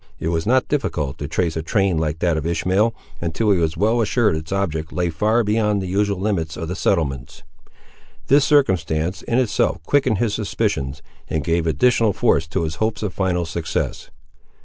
It was not difficult to trace a train like that of Ishmael, until he was well assured its object lay far beyond the usual limits of the settlements. This circumstance, in itself, quickened his suspicions, and gave additional force to his hopes of final success.